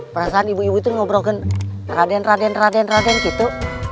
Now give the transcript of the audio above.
perasaan ibu ibu itu ngobrolin raden raden raden raden gitu